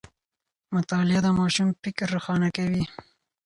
مطالعه د ماشوم فکر روښانه کوي.